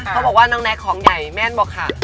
เขาบอกว่าน้องแน๊กของใหญ่แม่นเปล่าข้า